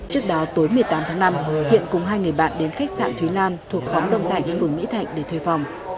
trước đó tối một mươi tám tháng năm hiện cùng hai người bạn đến khách sạn thúy lan thuộc khóm đông thạnh phường mỹ thạnh để thuê phòng